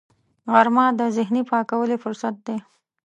غرمه د ذهني پاکوالي فرصت دی